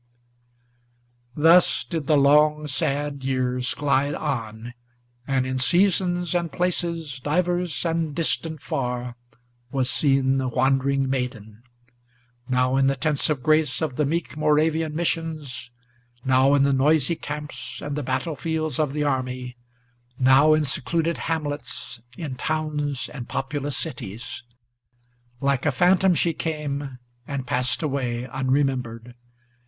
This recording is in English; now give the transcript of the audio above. Thus did the long sad years glide on, and in seasons and places Divers and distant far was seen the wandering maiden; Now in the Tents of Grace of the meek Moravian Missions, Now in the noisy camps and the battle fields of the army, Now in secluded hamlets, in towns and populous cities. Like a phantom she came, and passed away unremembered.